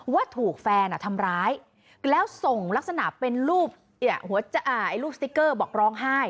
ว่าถูกแฟนทำร้ายแล้วส่งลักษณะเป็นรูปหัวรูปสติ๊กเกอร์บอกร้องไห้